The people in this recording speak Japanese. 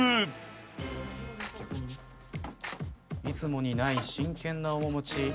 いつもにない真剣な面持ち。